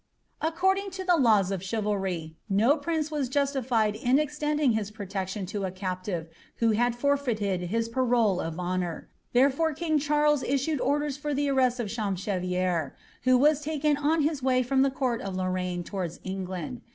^ According to the laws of chivalry, no prince was justified in extending his protection to a captive who had forfeited his parole of honour ; therefore king Charles issued orders for the arrest of Champchevrier, who was taken on his way trom the court of Lor mine towards England.